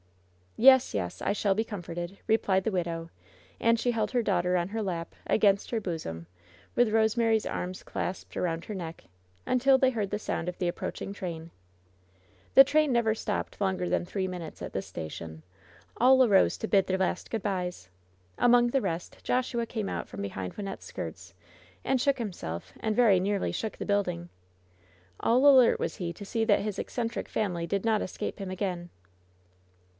"Yes, yes, I shall be comforted, child," replied the widow, and she held her daughter on her lap, against her bosom, with Rosemary's arms clasped aroimd her neck, imtil they heard the sound of the approaching train. The train never stopped longer than three minutes at this station. All arose to bid their last good bys. Among the rest, Joshua came out from behind Wyn nette's skirts, and shook himself, and very nearly shook the building. All alert was he to see that his eccentric family did not escape him again.